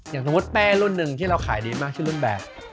อย่างสมมุติแป้รุ่นหนึ่งที่เราขายดีมากชื่อรุ่นแบบ